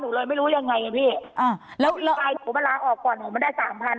หนูเลยไม่รู้ยังไงอ่ะพี่อ่าแล้วแล้วลาออกก่อนผมมันได้สามพัน